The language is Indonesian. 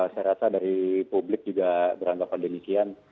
saya rasa dari publik juga beranggapan demikian